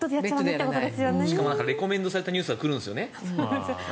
しかもレコメンドされたニュースが来るんですよね。